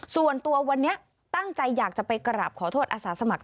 ส่วนตัววันนี้ตั้งใจอยากจะไปกราบขอโทษอาสาสมัคร